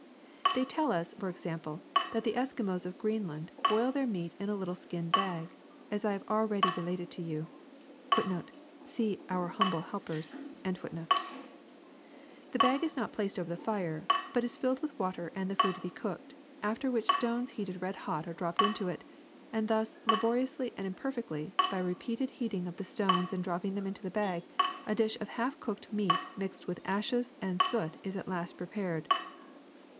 They tell us, for ex ample, that the Eskimos of Greenland boil their meat in a little skin bag, as I have already ^ related to you. The bag is not placed over the fire, but is filled with water and the food to be cooked, after which stones heated red hot are dropped into it ; and thus, labori ously and imperfectly, by repeated heating of the stones and dropping them into the bag, a dish of half cooked meat mixed with ashes and soot is at last prepared.